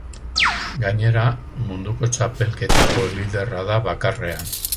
Gainera, munduko txapelketako liderra da bakarrean.